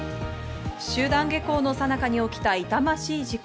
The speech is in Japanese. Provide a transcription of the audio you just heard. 集団下校の最中に起きた痛ましい事故。